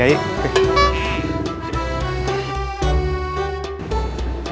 gak apa apa katanya pak ji